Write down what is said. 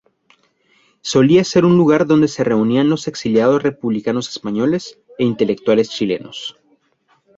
Solía ser un lugar donde se reunían los exiliados republicanos españoles e intelectuales chilenos.